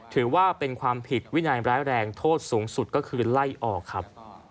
ถือว่าเป็นความผิดวินัยร้ายแรงโทษสูงสุดก็คือไล่ออกครับ